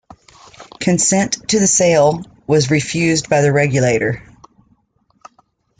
Consent to the sale was refused by the Regulator.